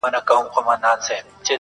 ساده والی د نړۍ نزدې ټولو نقادانو ستایلی